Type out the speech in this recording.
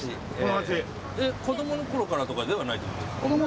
子どもの頃からとかではないということですよね。